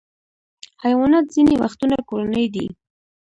حیوانات ځینې وختونه کورني دي.